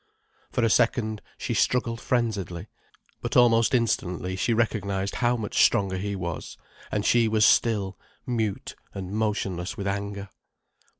For a second, she struggled frenziedly. But almost instantly she recognized how much stronger he was, and she was still, mute and motionless with anger.